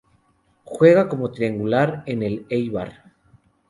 Se juega como triangular en Eibar.